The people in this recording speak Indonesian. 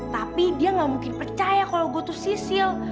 tapi dia gak mungkin percaya kalau gue tuh sisil